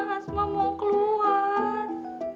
asma mau keluar